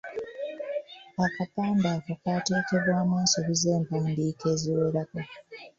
Akapande ako kaateekebwamu ensobi z’empandiika eziwerako.